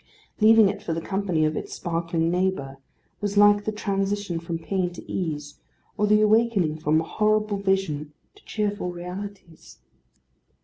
Leaving it for the company of its sparkling neighbour, was like the transition from pain to ease, or the awakening from a horrible vision to cheerful realities.